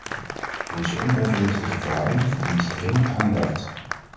Deze onevenwichtige verhouding verdient dringend aandacht.